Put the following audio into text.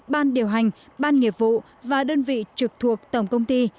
ban điều hành ban nghiệp vụ và đơn vị trực thuộc tổng công ty